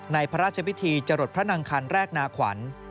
พระราชพิธีจรดพระนางคันแรกนาขวัญ